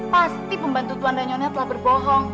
pasti pembantu tuan dan nyonya telah berbohong